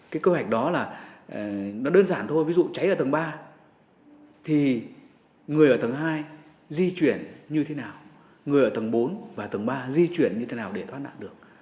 cái kế hoạch đó là nó đơn giản thôi ví dụ cháy ở tầng ba thì người ở tầng hai di chuyển như thế nào người ở tầng bốn và tầng ba di chuyển như thế nào để thoát nạn được